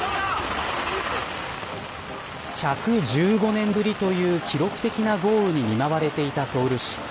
１１５年ぶりという記録的な豪雨に見舞われていたソウル市。